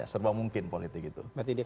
serba mungkin politik itu